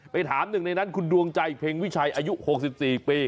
ถามหนึ่งในนั้นคุณดวงใจเพ็งวิชัยอายุ๖๔ปี